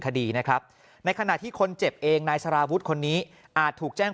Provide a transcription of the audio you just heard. คดีนะครับในขณะที่คนเจ็บเองนายสารวุฒิคนนี้อาจถูกแจ้ง